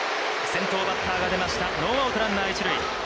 先頭バッターが出ました、ノーアウト、ランナー一塁。